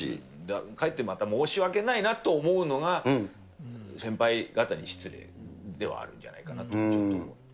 かえってまた申し訳ないなと思うのが、先輩方に失礼ではあるんじゃないかなと、ちょっと思って。